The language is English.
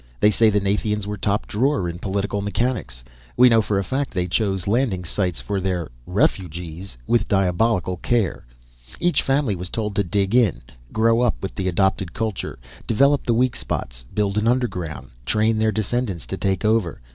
They say the Nathians were top drawer in political mechanics. We know for a fact they chose landing sites for their refugees with diabolical care. Each family was told to dig in, grow up with the adopted culture, develop the weak spots, build an underground, train their descendants to take over.